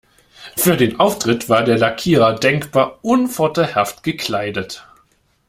Für den Auftritt war der Lackierer denkbar unvorteilhaft gekleidet.